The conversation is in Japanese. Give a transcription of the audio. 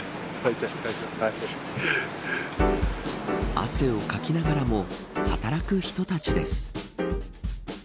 汗をかきながらも働く人たちです。